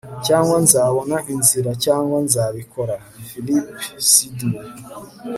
cyangwa nzabona inzira, cyangwa nzabikora. - philip sidney